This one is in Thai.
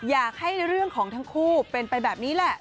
อยากให้เรื่องของทั้งคู่เป็นไปแบบนี้แหละ